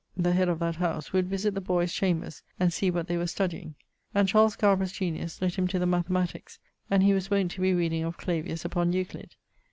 (the head of that house) would visit the boyes' chambers, and see what they were studying; and Charles Scarborough's genius let him to the mathematics, and he was wont to be reading of Clavius upon Euclid.